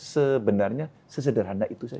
sebenarnya sesederhana itu saja